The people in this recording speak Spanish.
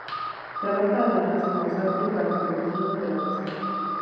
Trabaja además como sastre para sus vecinos de la vecindad.